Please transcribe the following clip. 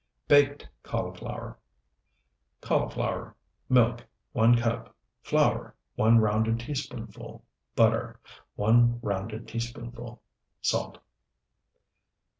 BAKED CAULIFLOWER Cauliflower. Milk, 1 cup. Flour, 1 rounded teaspoonful. Butter, 1 rounded teaspoonful. Salt.